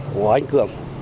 của anh cường